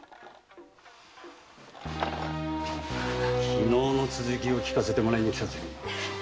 昨日の続きを訊かせてもらいに来たぜ。